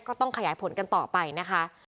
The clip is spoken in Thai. ก็ต้องขยายผลกันต่อไปนะคะ